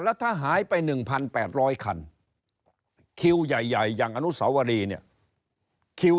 แล้วถ้าหายไป๑๘๐๐คันคิวใหญ่อย่างอนุสาวรีเนี่ยคิว